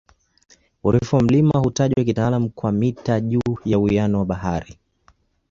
Urefu wa mlima hutajwa kitaalamu kwa "mita juu ya uwiano wa bahari".